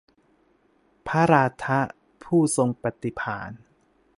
พระราธะ ผู้ทรงปฎิภาณ